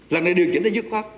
lần này điều chỉnh rất dứt khoát